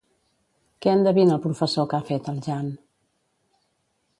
Què endevina el professor que ha fet el Jan?